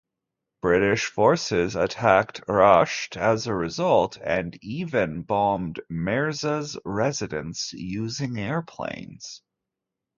British forces attacked Rasht as a result, and even bombed Mirza's residence using airplanes.